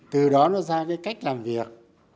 từ đó nó ra cái cách làm việc